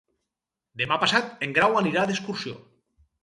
Demà passat en Grau anirà d'excursió.